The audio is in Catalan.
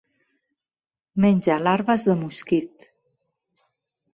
Menja larves de mosquit.